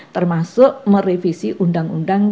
termasuk merevisi undang undang